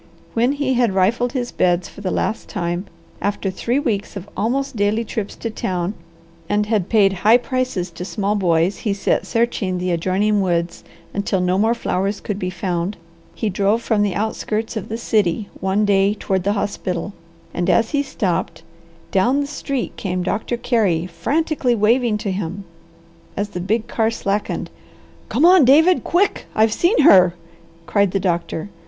When he had rifled his beds for the last time, after three weeks of almost daily trips to town, and had paid high prices to small boys he set searching the adjoining woods until no more flowers could be found, he drove from the outskirts of the city one day toward the hospital, and as he stopped, down the street came Doctor Carey frantically waving to him. As the big car slackened, "Come on David, quick! I've seen her!" cried the doctor.